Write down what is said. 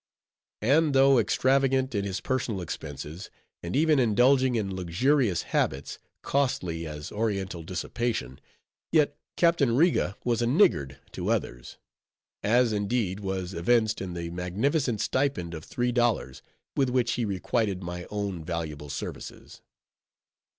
And though extravagant in his personal expenses, and even indulging in luxurious habits, costly as Oriental dissipation, yet Captain Riga was a niggard to others; as, indeed, was evinced in the magnificent stipend of three dollars, with which he requited my own valuable services.